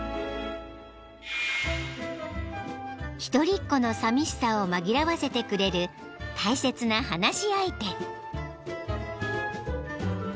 ［一人っ子のさみしさを紛らわせてくれる大切な話し相手］